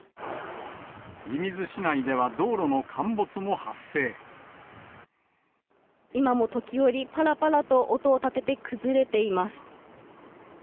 射水市内では道路の陥没も発今も時折、ぱらぱらと音を立てて崩れています。